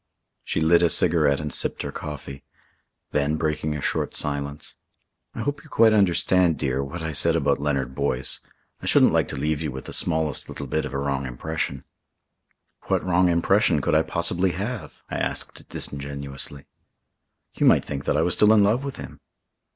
She lit a cigarette and sipped her coffee. Then, breaking a short silence: "I hope you quite understand, dear, what I said about Leonard Boyce. I shouldn't like to leave you with the smallest little bit of a wrong impression." "What wrong impression could I possibly have?" I asked disingenuously. "You might think that I was still in love with him."